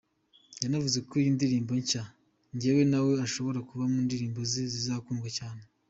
Yanavuze ko iyi ndirimbo nshya ‘Njyewe nawe’ ishobora kuba mu ndirimbo ze zizakundwa cyane.